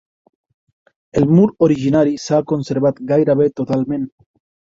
El mur originari s'ha conservat gairebé totalment.